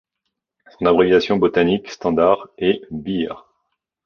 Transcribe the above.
Son abréviation botanique standard est Beer.